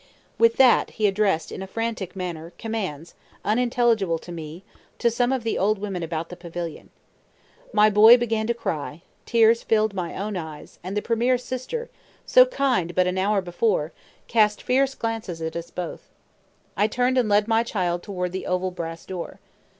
With that, he addressed, in a frantic manner, commands, unintelligible to me, to some of the old women about the pavilion. My boy began to cry; tears filled my own eyes; and the premier's sister, so kind but an hour before, cast fierce glances at us both. I turned and led my child toward the oval brass door.